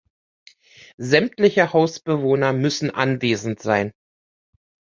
Sämtliche Hausbewohner müssen anwesend sein.